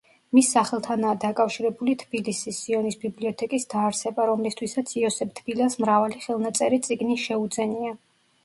მის სახელთანაა დაკავშირებული თბილისის სიონის ბიბლიოთეკის დაარსება, რომლისთვისაც იოსებ თბილელს მრავალი ხელნაწერი წიგნი შეუძენია.